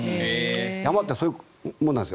山ってそういうものなんですよ。